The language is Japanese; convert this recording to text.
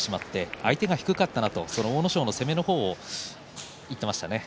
相手が低かったと阿武咲の攻めの方を言ってましたね。